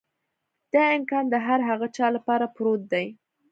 دا امکان د هر هغه چا لپاره پروت دی.